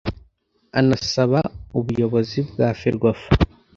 anasaba ubuyobozi bwa Ferwafa